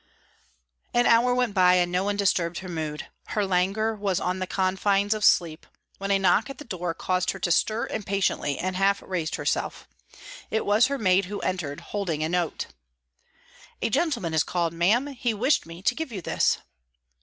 An hour went by, and no one disturbed her mood. Her languor was on the confines of sleep, when a knock at the door caused her to stir impatiently and half raise herself. It was her maid who entered, holding a note. "A gentleman has called, ma'am. He wished me to give you this."